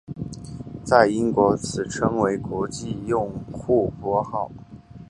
在英国此被称为国际用户拨号。